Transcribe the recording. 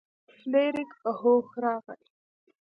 فلیریک په هوښ راغی.